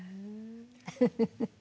フフフッ。